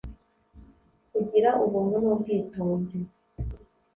Kugira ubuntu n’ubwitonzi